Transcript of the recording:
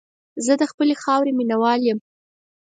زه د خپلې خاورې مینه وال یم.